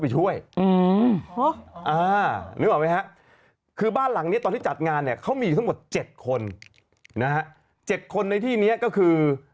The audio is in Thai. เจ็ดคนในที่นี้ก็คือ